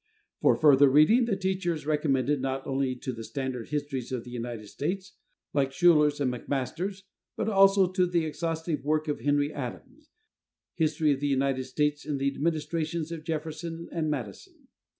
For further reading, the teacher is recommended not only to the standard histories of the United States like Schouler's, and McMaster's, but also to the exhaustive work of Henry Adams, "History of the United States in the Administrations of Jefferson and Madison."